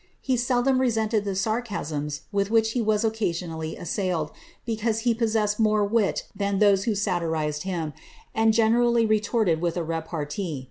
He seldom resented the sareiflai with which he was occasionally assailed, because he possessed BMXf wit than those who satirized him, and generally retorted with a repvtee.